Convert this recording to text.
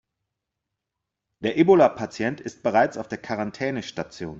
Der Ebola-Patient ist bereits auf der Quarantänestation.